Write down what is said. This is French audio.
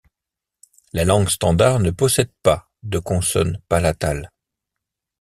La langue standard ne possède pas de consonne palatale.